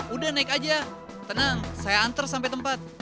udah naik aja tenang saya anter sampai tempat